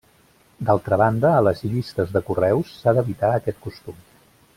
D'altra banda, a les llistes de correus s'ha d'evitar aquest costum.